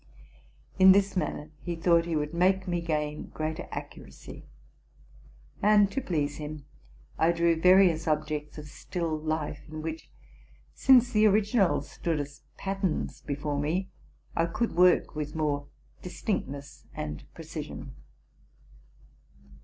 In this manner he thought he would make me gain or eater accuracy ; and, to please him, I drew various objects of still life, in ee sinee the originals stood as patterns before me, I could work with more distinctness and precis ion.